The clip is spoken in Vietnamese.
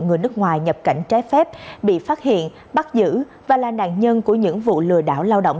người nước ngoài nhập cảnh trái phép bị phát hiện bắt giữ và là nạn nhân của những vụ lừa đảo lao động